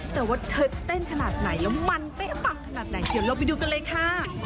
แต่ว่าเธอเต้นขนาดไหนแล้วมันเป๊ะปังขนาดไหนเดี๋ยวเราไปดูกันเลยค่ะ